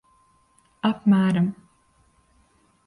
Apmēram.